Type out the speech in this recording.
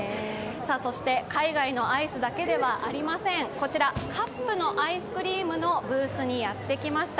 そして海外のアイスだけではありません、こちら、カップのアイスクリームのブースにやってきました。